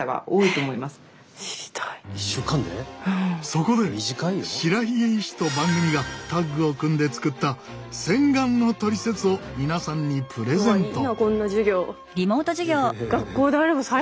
そこで白髭医師と番組がタッグを組んで作った洗顔のトリセツを皆さんにプレゼント！